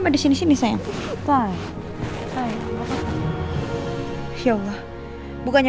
masa sih deniz bohong